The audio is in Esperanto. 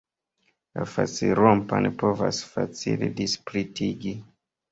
La facilrompan povas facile dissplitigi.